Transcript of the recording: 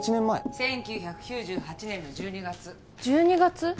・１９９８年の１２月１２月？